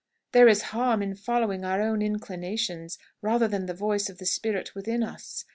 There is harm in following our own inclinations, rather than the voice of the spirit within us.